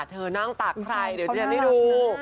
เธอนั่งตากใครเดี๋ยวเจนให้ดู